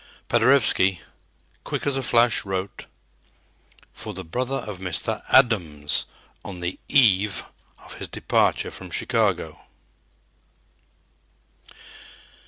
Paderewski, quick as a flash, wrote: "For the brother of Mr. Adams on the Eve of his departure from Chicago."